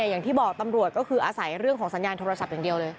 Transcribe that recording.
อย่างที่บอกตำรวจก็คืออาศัยเรื่องของสัญญาณโทรศัพท์อย่างเดียวเลย